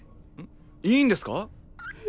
いいんですか？